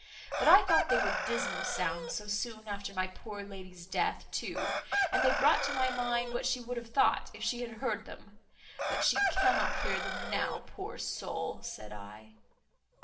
But I thought they were dismal sounds, so soon after my poor lady's death too; and they brought to my mind what she would have thought, if she had heard them—but she cannot hear them now, poor soul! said I."